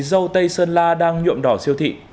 râu tây sơn la đang nhuộm đỏ siêu thị